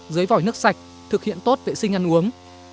dưới vỏ nước sạch thực hiện tốt vệ sinh ăn uống